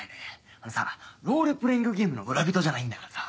あのさロールプレイングゲームの村人じゃないんだからさ。